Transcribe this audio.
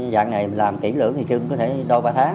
dạng này làm kỹ lưỡng thì chứ không có thể tô ba tháng